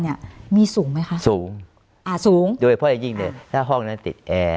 เนี้ยมีสูงไหมคะสูงอ่าสูงโดยเพราะอย่างยิ่งเนี่ยถ้าห้องนั้นติดแอร์